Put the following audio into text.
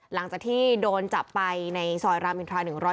หลังจากที่โดนจับไปในซอยรามอินทรา๑๐๑